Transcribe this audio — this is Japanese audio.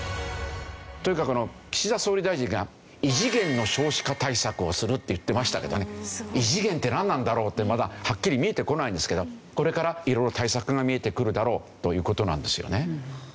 とにかく岸田総理大臣が「異次元の少子化対策をする」って言ってましたけどね「異次元」ってなんなんだろうってまだはっきり見えてこないんですけどこれからいろいろ対策が見えてくるだろうという事なんですよね。